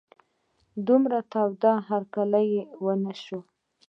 دومره تود هرکلی نه و شوی.